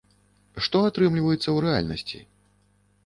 Што атрымліваецца ў рэальнасці?